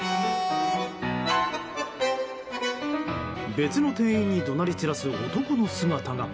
別の店員に怒鳴り散らす男の姿が。